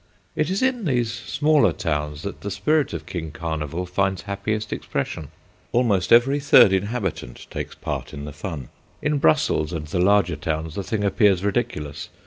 It is in these smaller towns that the spirit of King Carnival finds happiest expression. Almost every third inhabitant takes part in the fun. In Brussels and the larger towns the thing appears ridiculous.